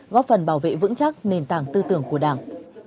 góp phần bảo vệ vững chắc nền tảng tư tưởng của đảng